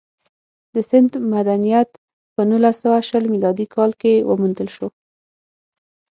د سند مدنیت په نولس سوه شل میلادي کال کې وموندل شو